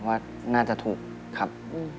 ว่าน่าจะถูกครับ